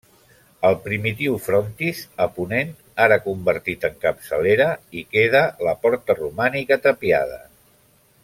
Al primitiu frontis, a ponent, ara convertit en capçalera, hi queda la porta romànica tapiada.